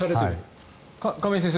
亀井先生